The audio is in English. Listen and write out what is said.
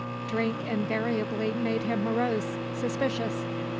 Drink invariably made him morose, suspicious.